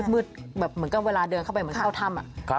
มืดเหมือนกับเวลาเดินเข้าไปแบบเข้าทำ